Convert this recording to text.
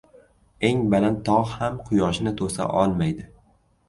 • Eng baland tog‘ ham quyoshni to‘sa olmaydi.